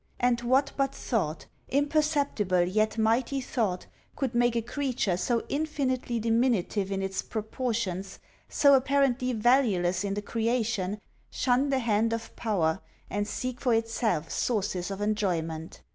And what but thought, imperceptible yet mighty thought, could make a creature so infinitely diminutive in its proportions, so apparently valueless in the creation, shun the hand of power, and seek for itself sources of enjoyment?